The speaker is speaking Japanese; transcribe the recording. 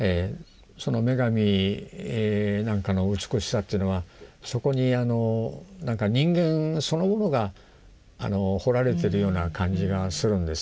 その女神なんかの美しさというのはそこになんか人間そのものが彫られてるような感じがするんですね。